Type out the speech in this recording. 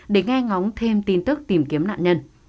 để nghe ngóng thêm tin tức tìm kiếm nạn nhân